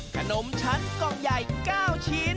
ขนมชั้นกล่องใหญ่๙ชิ้น